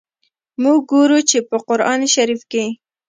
موږ ګورو چي، په قرآن شریف کي.